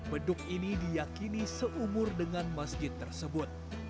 beduk ini diyakini seumur dengan masjid tersebut